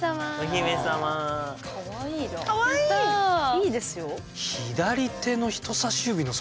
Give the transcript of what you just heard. いいですよ。